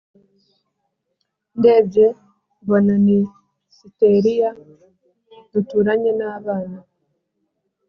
ndebye mbona ni siteriya duturanye n’abana